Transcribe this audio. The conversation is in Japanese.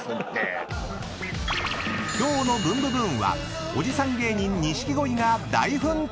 ［今日の『ブンブブーン！』はおじさん芸人錦鯉が大奮闘！］